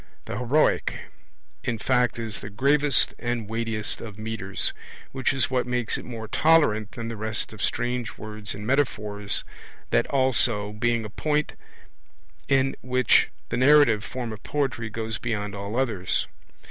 The heroic; in fact is the gravest and weightiest of metres which is what makes it more tolerant than the rest of strange words and metaphors, that also being a point in which the narrative form of poetry goes beyond all others.